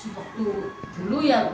waktu dulu ya